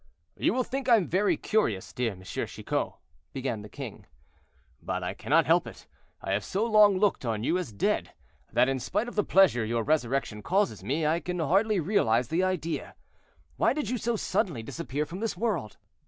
"You will think I am very curious, dear M. Chicot," began the king, "but I cannot help it. I have so long looked on you as dead, that in spite of the pleasure your resurrection causes me, I can hardly realize the idea. Why did you so suddenly disappear from this world?"